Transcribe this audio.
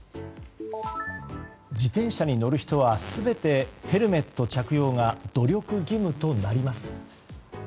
自転車に乗る人は全てヘルメット着用が努力義務となります。